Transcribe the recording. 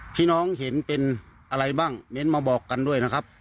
พี่น้องเห็นเป็นอะไรบ้างเม้นมาบอกกันด้วยนะครับ